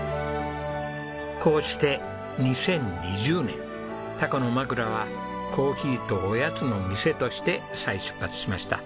こうして２０２０年タコのまくらはコーヒーとおやつの店として再出発しました。